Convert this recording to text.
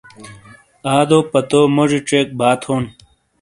آ دو پتو موڙی ڇیک با تھونڈ